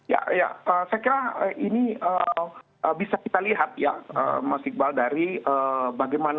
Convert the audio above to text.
ya saya kira ini bisa kita lihat ya mas iqbal dari bagaimana